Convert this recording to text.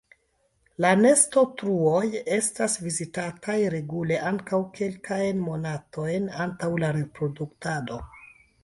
La nestotruoj estas vizitataj regule ankaŭ kelkajn monatojn antaŭ la reproduktado.